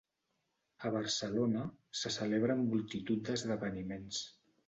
A Barcelona, se celebren multitud d'esdeveniments